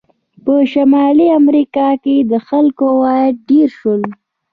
په شمالي امریکا کې د خلکو عواید ډېر شول.